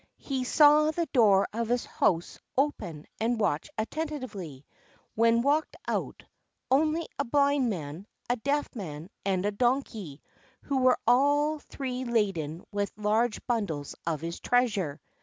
He saw the door of his house open and watched attentively, when out walked—only a Blind Man, a Deaf Man, and a Donkey, who were all three laden with large bundles of his treasure.